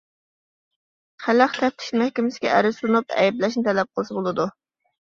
خەلق تەپتىش مەھكىمىسىگە ئەرز سۇنۇپ، ئەيىبلەشنى تەلەپ قىلسا بولىدۇ.